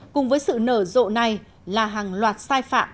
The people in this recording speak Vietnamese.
cùng với sự nở rộ này là hàng loạt sai phạm